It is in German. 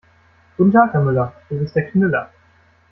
Guten Tag Herr Müller, du bist der Knüller.